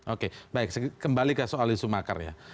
oke baik kembali ke soal isu makar ya